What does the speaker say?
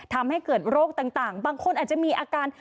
ทำให้เกิดโรคต่างบางคนอาจจะมีอาการ